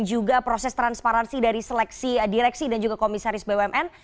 juga proses transparansi dari seleksi direksi dan juga komisaris bumn